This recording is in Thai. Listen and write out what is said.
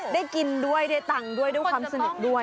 ได้กินด้วยได้ตังค์ด้วยด้วยความสนิทด้วย